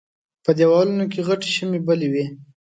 په دېوالونو کې غټې شمعې بلې وې.